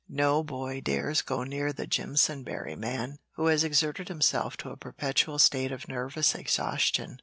No boy dares go near the Jimpsonberry man, who has exerted himself into a perpetual state of nervous exhaustion."